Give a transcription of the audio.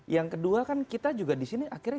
yang kedua kan kita juga disini akhirnya